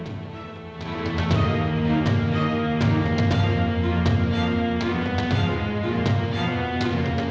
โปรดติดตามตอนต่อไป